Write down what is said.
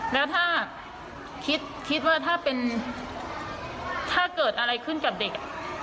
แล้วถ้าคิดคิดว่าถ้าเกิดอะไรขึ้นกับเด็ก